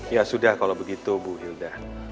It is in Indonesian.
ya sudah kalau begitu bu ilda